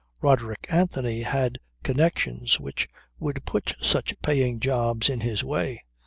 Roderick Anthony had connections which would put such paying jobs in his way.